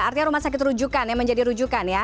artinya rumah sakit rujukan yang menjadi rujukan ya